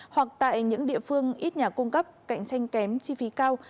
hoặc tại những địa phương ít nhà cung cấp cạnh tranh kém chi phí cao